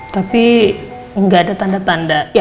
tapi nggak ada tanda tanda